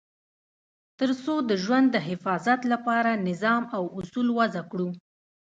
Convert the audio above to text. تر څو د ژوند د حفاظت لپاره نظام او اصول وضع کړو.